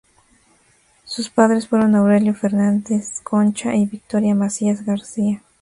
Sus padres fueron Aurelio Fernández Concha y Victoria Masías García.